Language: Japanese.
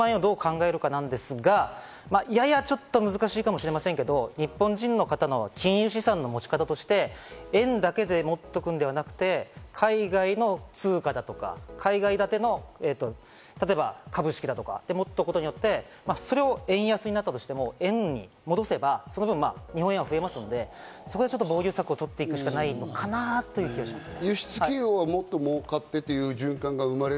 その数万円をどう考えるかですが、ややちょっと難しいかもしれませんけど、日本人の方の金融資産の持ち方として、円だけで持っておくのではなくて海外の通貨だとか、海外立ての例えば株式だとかを持って、それが円安になったとしても、それを円に戻せば日本円が増えますので、防御策をとっていくしかないのかなという気がします。